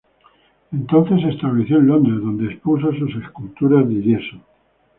Entonces se estableció en Londres, donde expuso sus esculturas de yeso.